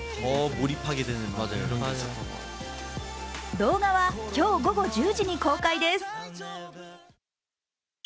動画は今日午後１０時に公開です。